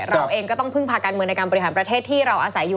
เราเองก็ต้องพึ่งพาการเมืองในการบริหารประเทศที่เราอาศัยอยู่